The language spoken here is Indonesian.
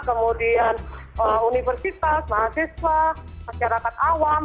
kemudian universitas mahasiswa masyarakat awam